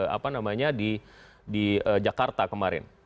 apa namanya di jakarta kemarin